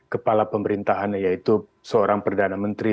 kepala pemerintahan yaitu seorang perdana menteri